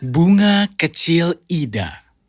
bunga kecil ida